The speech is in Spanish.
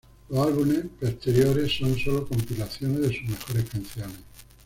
Los álbumes posteriores son solo compilaciones de sus mejores canciones.